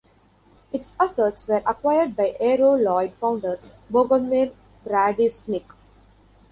Its assets were acquired by Aero Lloyd founder, Bogomir Gradisnik.